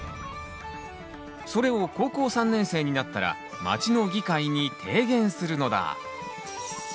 それを高校３年生になったら町の議会に提言するのだ。